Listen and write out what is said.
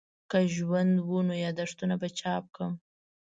که ژوند وو نو یادښتونه به چاپ کړم.